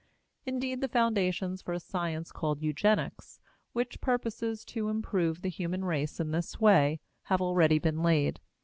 Indeed, the foundations for a science called Eugenics, which purposes to improve the human race in this way, have already been laid.